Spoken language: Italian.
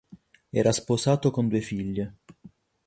Era sposato con due figlie.